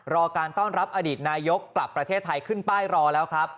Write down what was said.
รอการต้อนรับอดีตนายกกลับประเทศไทยขึ้นป้ายรอแล้วครับ